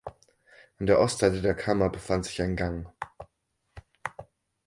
An der Ostseite der Kammer befand sich ein Gang.